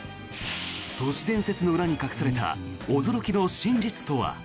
都市伝説の裏に隠された驚きの真実とは？